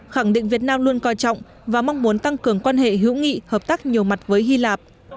khẳng định việt nam luôn coi trọng và mong muốn tăng cường quan hệ hữu nghị hợp tác nhiều mặt với hy lạp